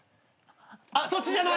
そっちじゃない！